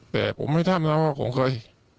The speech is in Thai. แต่ผมไม่ทราบแล้วว่าของเคย